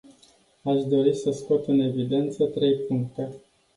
Aș dori să scot în evidență trei puncte.